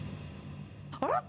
あら？